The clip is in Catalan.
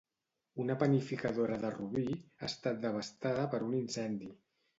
Una panificadora de Rubí ha estat devastada per un incendi.